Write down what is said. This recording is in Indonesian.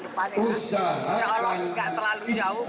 untuk ke depannya